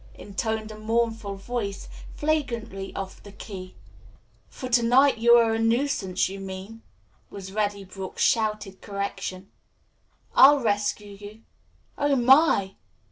intoned a mournful voice, flagrantly off the key. "For to night you are a nuisance, you mean," was Reddy Brooks' shouted correction. "I'll rescue you." "Oh, my!"